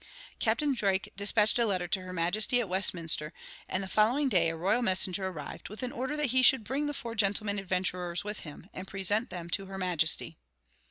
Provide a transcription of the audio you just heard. Captain Drake dispatched a letter to her majesty at Westminster, and the following day a royal messenger arrived, with an order that he should bring the four gentlemen adventurers with him, and present them to her majesty.